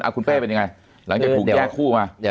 คุณเป้เป็นยังไงหลังจากถูกแยกคู่มา